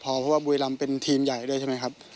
เพราะว่าบุรีรำเป็นทีมใหญ่ด้วยใช่ไหมครับ